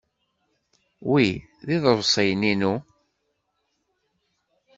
Wi d iḍebsiyen-inu.